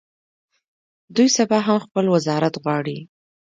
دوی سبا هم خپل وزارت غواړي.